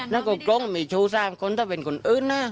แล้วก็กรงมีชู๓คนถ้าเป็นคนอื่นนะ